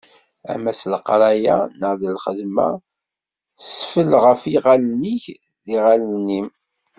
Ama s leqraya, neɣ d lxedma, sfell ɣef yiɣallen-ik, d yiɣallen-im.